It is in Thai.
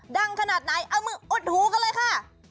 ขนาดไหนเอามืออดหูกันเลยค่ะ